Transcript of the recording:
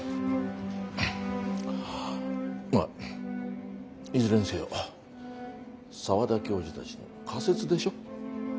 まあいずれにせよ澤田教授たちの仮説でしょう。